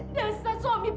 ada orang tua dijam